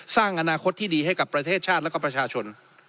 สร้างอนาคตที่ดีให้กับประเทศชาติและก็ประชาชน